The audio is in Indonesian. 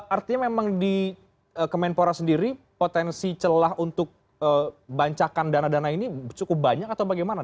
artinya memang di kemenpora sendiri potensi celah untuk bancakan dana dana ini cukup banyak atau bagaimana